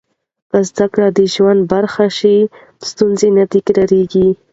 که زده کړه د ژوند برخه شي، ستونزې نه تکرارېږي.